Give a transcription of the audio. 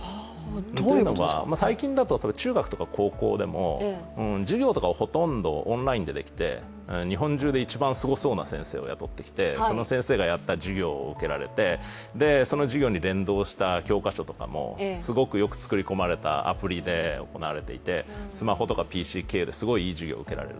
例えば、最近だと中学とか高校でも授業とかをほとんどオンラインでできて日本中で一番すごそうな先生を雇ってきてその先生がやった授業を受けられて、その授業に連動した教科書とかもすごくよく作り込まれたアプリで行われていて、スマホとかＰＣですごいいい授業を受けられる。